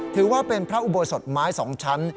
ถือว่าเป็นพระอุโบสถไม้๒ชั้น